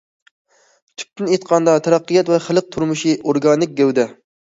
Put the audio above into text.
تۈپتىن ئېيتقاندا، تەرەققىيات ۋە خەلق تۇرمۇشى ئورگانىك گەۋدە.